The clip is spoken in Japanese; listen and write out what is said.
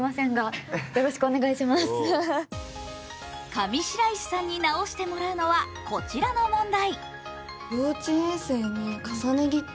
上白石さんに直してもらうのは、こちらの問題。